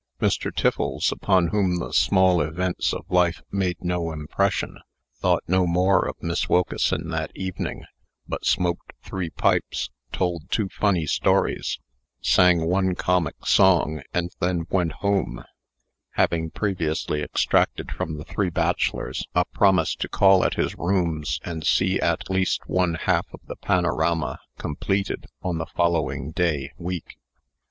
Mr. Tiffles, upon whom the small events of life made no impression, thought no more of Miss Wilkeson that evening, but smoked three pipes, told two funny stories, sang one comic song, and then went home, having previously exacted from the three bachelors a promise to call at his rooms and see at least one half of the panorama completed, on the following day week.